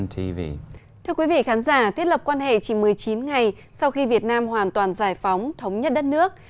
thưa quý vị khán giả thiết lập quan hệ chỉ một mươi chín ngày sau khi việt nam hoàn toàn giải phóng thống nhất đất nước